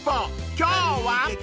今日は］